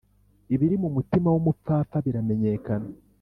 ibiri mu mutima w’umupfapfa biramenyekana